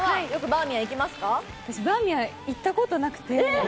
バーミヤン行ったことなくて。